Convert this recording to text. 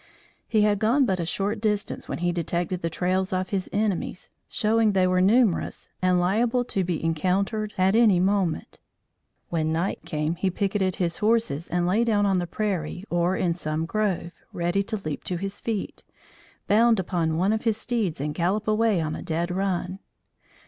He had gone but a short distance when he detected the trails of his enemies, showing they were numerous and liable to be encountered at any moment. When night came, he picketed his horses and lay down on the prairie or in some grove, ready to leap to his feet, bound upon one of his steeds and gallop away on a dead run.